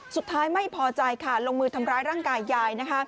สุดท้ายไม่พอใจค่ะลงมือทำร้ายร่างกายยายนะคะ